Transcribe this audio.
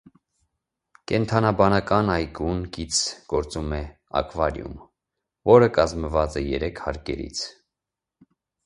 Կենդանաբանական այգուն կից գործում է ակվարիում, որը կազմված է երեք հարկերից։